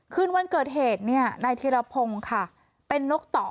คืนวันเกิดเหตุนายธิรพงศ์เป็นนกต่อ